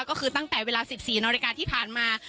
ก็คือตั้งแต่เวลา๑๔นาฬิกาที่ผ่านมา